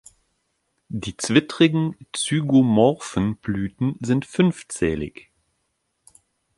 Die zwittrigen, zygomorphen Blüten sind fünfzählig.